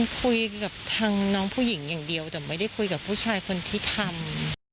คุยกับทางน้องผู้หญิงอย่างเดียวแต่ไม่ได้คุยกับผู้ชายคนที่ทำ